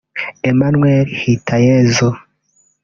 Emmanuel Hitayezu